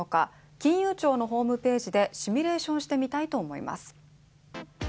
金融庁のホームページでシミュレーションしてみたいと思います。